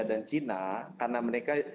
dan cina karena mereka